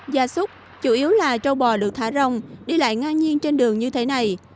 gia súc chủ yếu là trâu bò được thả rong đi lại ngang nhiên trên đường như thế này